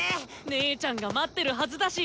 姉ちゃんが待ってるはずだし！